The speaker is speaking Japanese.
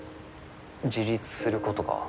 自立することが？